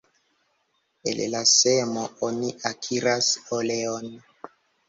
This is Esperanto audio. El la semo oni akiras oleon.